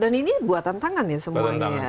dan ini buatan tangan ya semuanya ya